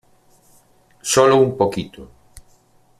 solo un poquito.